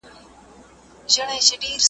نه ظالم به له مظلوم څخه بېلېږي ,